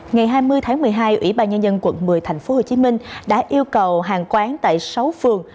ngày hai mươi tháng một mươi hai ủy ban nhân dân quận một mươi tp hcm đã yêu cầu hàng quán tại sáu phường